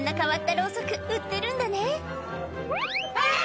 ロウソク売ってるんだねあぁ！